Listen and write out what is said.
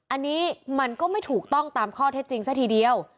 อันนี้มันก็ไม่ถูกต้องตามข้อเท็จจริงซะทีเดียว